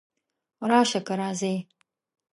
راشه! که راځې!